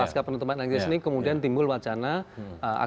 pasca penutupan langsung kemudian timbul wacana